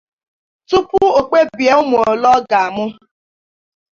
tupu o kpebie ụmụ ole ọ ga-amụ